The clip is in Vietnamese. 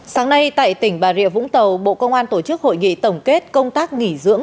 sáng nay tại tỉnh bà rịa vũng tàu bộ công an tổ chức hội nghị tổng kết công tác nghỉ dưỡng